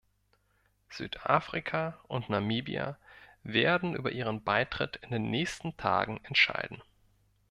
Südafrika und Namibia werden über ihren Beitritt in den nächsten Tagen entscheiden.